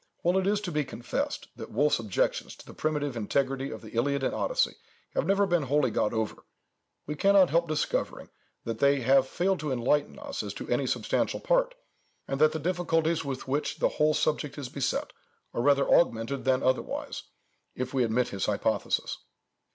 While it is to be confessed, that Wolf's objections to the primitive integrity of the Iliad and Odyssey have never been wholly got over, we cannot help discovering that they have failed to enlighten us as to any substantial point, and that the difficulties with which the whole subject is beset, are rather augmented than otherwise, if we admit his hypothesis.